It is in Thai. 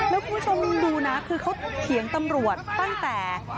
แล้วคุณผู้ชมดูนะคือเขาเถียงตำรวจตั้งแต่